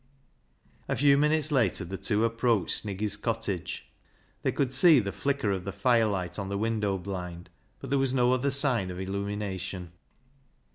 A few minutes later the two approached Sniggy's cottage. They could see the flicker of the firelight on the window blind, but there was no other sign of illumination.